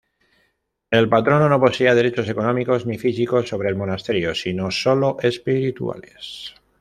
El patrono no poseía derechos económicos ni físicos sobre el monasterio sino sólo espirituales.